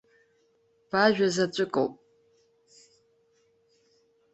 Бажәа заҵәыкоуп.